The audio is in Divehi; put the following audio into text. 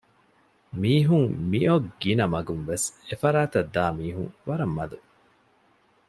މީހުން މިއޮއް ގިނަ މަގުންވެސް އެފަރާތަށްދާ މީހުން ވަރަށް މަދު